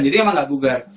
jadi emang gak bugar